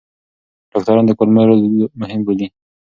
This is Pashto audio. ډاکټران د کولمو رول مهم بولي.